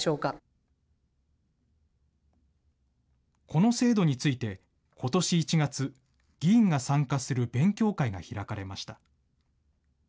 この制度について、ことし１月、議員が参加する勉強会が開かれました。